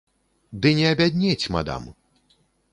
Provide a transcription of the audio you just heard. Ды не абяднець, мадам!